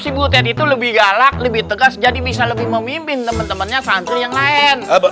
si butet itu lebih galak lebih tegas jadi bisa lebih memimpin temen temennya santri yang lain